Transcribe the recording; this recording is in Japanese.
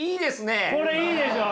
これいいでしょう？